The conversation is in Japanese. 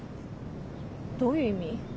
どういう意味？